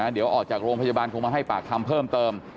เดี๋ยวออกจากโรงพยาบาลคงมาให้ปากคำเพิ่มเติม